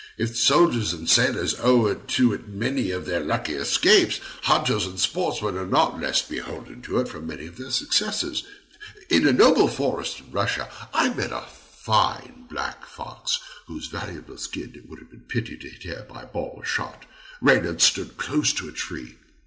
If soldiers and sailors owe to it many of their lucky escapes, hunters and sportsmen are not less beholden to it for many of their successes. In a noble forest in Russia I met a fine black fox, whose valuable skin it would have been a pity to tear by ball or shot. Reynard stood close to a tree.